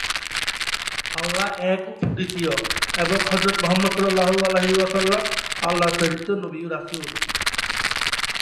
ইখওয়ান বাহিনীর রক্ষণশীল মনোভাবের কারণে তারা আধুনিক অস্ত্র ব্যবহার করত না।